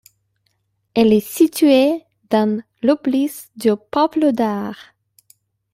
Elle est située dans l'oblys de Pavlodar.